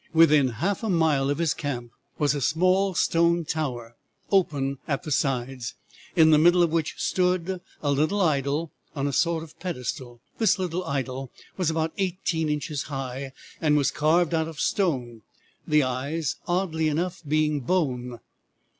Within half a mile of his camp was a small stone tower open at the sides, in the middle of which stood a little idol on a sort of pedestal. This little idol was about eighteen inches high and was carved out of stone, the eyes oddly enough being bone.